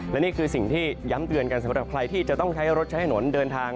และนี่คือสิ่งที่ย้ำเตือนกันสำหรับใครที่จะต้องใช้รถใช้ถนนเดินทาง